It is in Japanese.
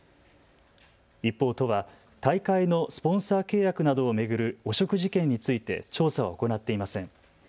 一方、都は大会のスポンサー契約などを巡る汚職事件について調査は行っていません。